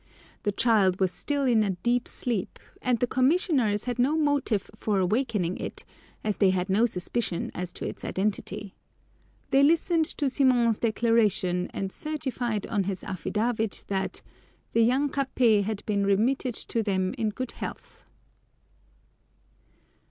The child was still in a deep sleep, and the commissioners had no motive for awakening it, as they had no suspicion as to its identity. They listened to Simon's declaration, and certified on his affidavit that "the young Capet had been remitted to them in good health."